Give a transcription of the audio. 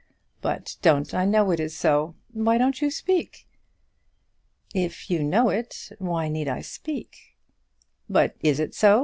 But don't I know it is so? Why don't you speak?" "If you know it, why need I speak?" "But it is so?